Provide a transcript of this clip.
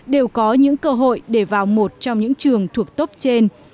đều có những cơ hội để vào một trong những trường thuộc tốc trên